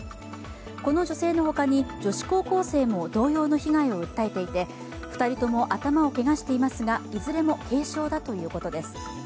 この女性の他に女子高校生も同様の被害を訴えていて、２人とも頭をけがしていますが、いずれも軽傷だということです。